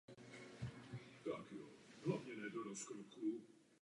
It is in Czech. Nadále však zůstala zachována krajská organizace u soudů.